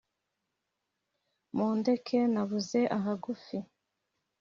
”mundeke nabuze ahagufi